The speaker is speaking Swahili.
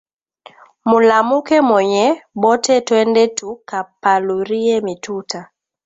Mulamuke mweye bote twende tu ka paluriye mituta